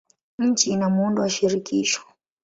Nchi ina muundo wa shirikisho.